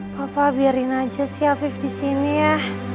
papa biarin aja sih afif di sini ya